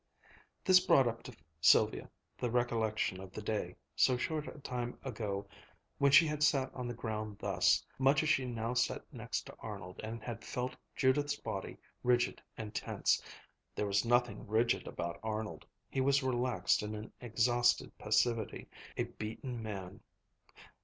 This brought up to Sylvia the recollection of the day, so short a time ago when she had sat on the ground thus, much as she now sat next to Arnold, and had felt Judith's body rigid and tense. There was nothing rigid about Arnold. He was relaxed in an exhausted passivity, a beaten man.